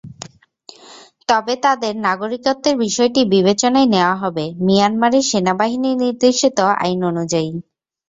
তবে তাদের নাগরিকত্বের বিষয়টি বিবেচনায় নেওয়া হবে মিয়ানমারের সেনাবাহিনী নির্দেশিত আইন অনুযায়ী।